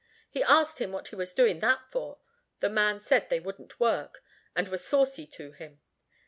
He asked him what he was doing that for; the man said they wouldn't work, and were saucy to him.